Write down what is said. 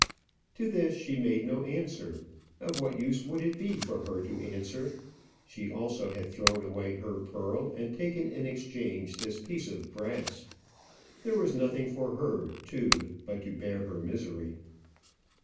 To this she made no answer. Of what use would it be for her to answer? She also had thrown away her pearl, and taken in exchange this piece of brass. There was nothing for her, too, but to bear her misery.